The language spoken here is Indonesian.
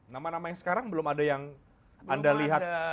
nama namanya sekarang belum ada yang anda lihat bisa